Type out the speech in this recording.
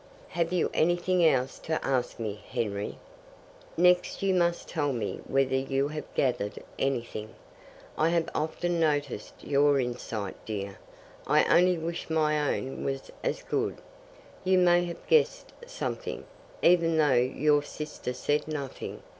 "Have you anything else to ask me, Henry?" "Next you must tell me whether you have gathered anything. I have often noticed your insight, dear. I only wish my own was as good. You may have guessed something, even though your sister said nothing.